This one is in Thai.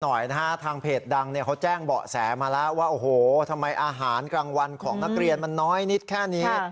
หน่อยนะฮะทางเพจดังเนี่ยเขาแจ้งเบาะแสมาแล้วว่าโอ้โหทำไมอาหารกลางวันของนักเรียนมันน้อยนิดแค่นี้